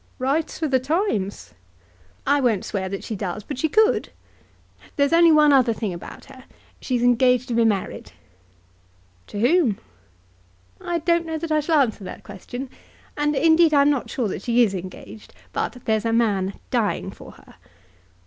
"Writes for the Times!" "I won't swear that she does, but she could. There's only one other thing about her. She's engaged to be married." "To whom?" "I don't know that I shall answer that question, and indeed I'm not sure that she is engaged. But there's a man dying for her."